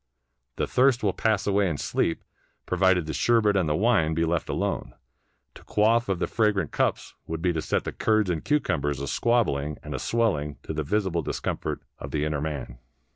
The thirst will pass away in sleep, pro vided the sherbet and the wine be left alone : to quaff of the fragrant cups would be to set the curds and cucum bers a squabbling and a swelling to the visible discom fort of the inner man.